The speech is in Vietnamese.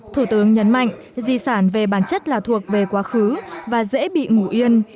thủ tướng nhấn mạnh di sản về bản chất là thuộc về quá khứ và dễ bị ngủ yên